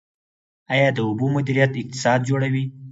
آیا د اوبو مدیریت اقتصاد جوړوي؟